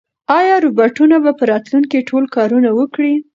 ایا روبوټونه به په راتلونکي کې ټول کارونه وکړي؟